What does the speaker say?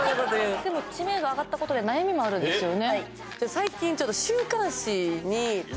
でも知名度上がったことで悩みもあるんですよね？